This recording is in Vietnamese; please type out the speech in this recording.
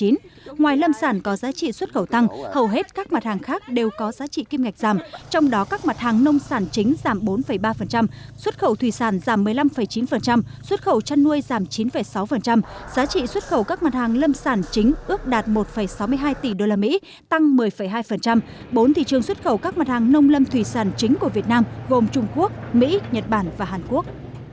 ngoài lâm sản có giá trị xuất khẩu tăng hầu hết các mặt hàng khác đều có giá trị kim ngạch giảm trong đó các mặt hàng nông sản chính giảm bốn ba xuất khẩu thủy sản giảm một mươi năm chín xuất khẩu chăn nuôi giảm chín sáu giá trị xuất khẩu các mặt hàng lâm sản chính ước đạt một sáu mươi hai tỷ usd tăng một mươi hai bốn thị trường xuất khẩu các mặt hàng nông lâm thủy sản chính của việt nam gồm trung quốc mỹ nhật bản và hàn quốc